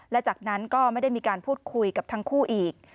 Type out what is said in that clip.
และจากนั้นก็ไม่ได้มีการพูดคุยกับทั้งคู่อีก